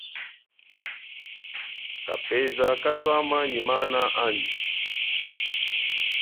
Kapeza katwama nyi mana andji.